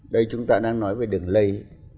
đây chúng ta đang nói về đường lây